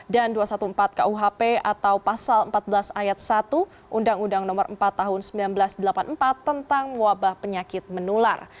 dua ratus empat belas kuhp atau pasal empat belas ayat satu undang undang no empat tahun seribu sembilan ratus delapan puluh empat tentang wabah penyakit menular